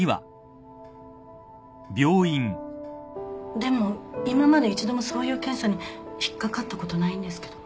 でも今まで一度もそういう検査に引っかかったことないんですけども。